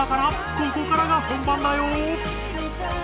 ここからが本番だよ！